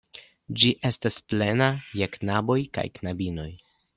Ĝi estas plena je knaboj kaj knabinoj.